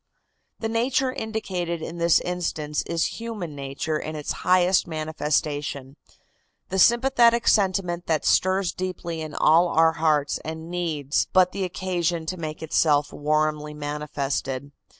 The nature indicated in this instance is human nature in its highest manifestation, the sympathetic sentiment that stirs deeply in all our hearts and needs but the occasion to make itself warmly manifested.